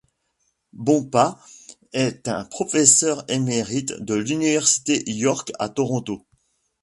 Bompa est un professeur émérite de l’université York à Toronto.